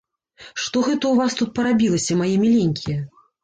Што гэта ў вас тут парабілася, мае міленькія?